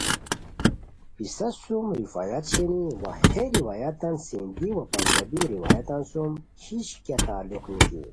پِسہ سو م روایت شینی وا ہے روایتان سندھی وا پنجابی روایتان سوم ہیش کیہ تعلق نِکی